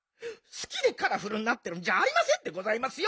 すきでカラフルになってるんじゃありませんでございますよ！